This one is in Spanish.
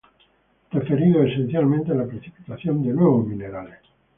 Referidos esencialmente a la precipitación de nuevos minerales.